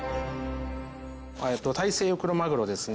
タイセイヨウクロマグロですね。